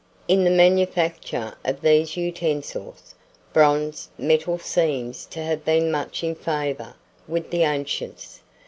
IN THE MANUFACTURE OF THESE UTENSILS, bronze metal seems to have been much in favour with the ancients.